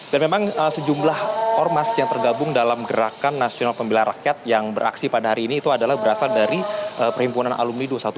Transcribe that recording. dan memang sejumlah ormas yang tergabung dalam gerakan nasional pembeli rakyat yang beraksi pada hari ini itu adalah berasal dari perhimpunan alumni dua ratus dua belas